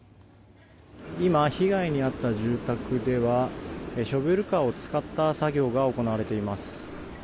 今、被害に遭った住宅ではショベルカーを使った作業が行われています。